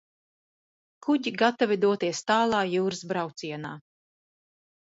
Kuģi gatavi doties tālā jūras braucienā.